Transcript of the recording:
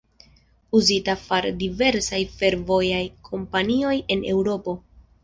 Uzita far diversaj fervojaj kompanioj en Eŭropo.